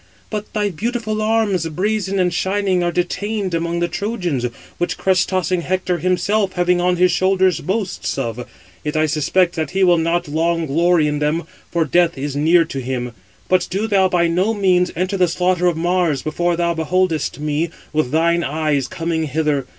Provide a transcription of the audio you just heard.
But thy beautiful arms, brazen and shining, are detained among the Trojans, which crest tossing Hector himself, having on his shoulders, boasts of: yet I suspect that he will not long glory in them, for death is near to him. But do thou by no means enter the slaughter of Mars before thou beholdest me with thine eyes coming hither.